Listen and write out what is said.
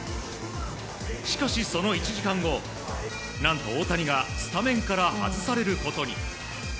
しかし、その１時間後、なんと大谷がスタメンから外されることに。